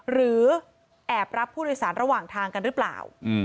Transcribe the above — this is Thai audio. หรือแอบรับผู้โดยสารระหว่างทางกันหรือเปล่า